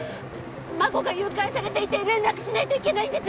孫が誘拐されていて連絡しないといけないんです